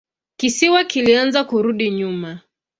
Kisiwa kilianza kurudi nyuma.